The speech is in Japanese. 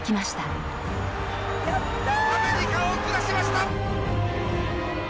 実況：アメリカを下しました！